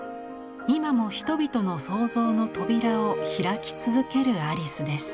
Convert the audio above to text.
今も人々の想像の扉を開き続けるアリスです。